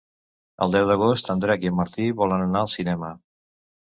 El deu d'agost en Drac i en Martí volen anar al cinema.